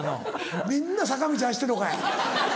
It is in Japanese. みんな坂道走ってんのかい。